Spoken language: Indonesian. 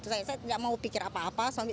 saya tidak mau pikir apa apa